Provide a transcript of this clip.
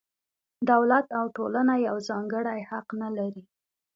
دولت او ټولنه یو ځانګړی حق نه لري.